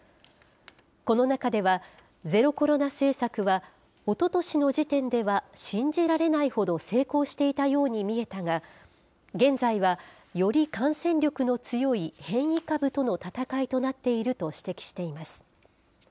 この中では、ゼロコロナ政策はおととしの時点では、信じられないほど成功していたように見えたが、現在は、より感染力の強い変異株との闘いとなっていると指摘しています。